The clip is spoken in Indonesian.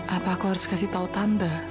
apakah aku harus kasih tau tante